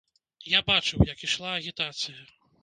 Я бачыў, як ішла агітацыя.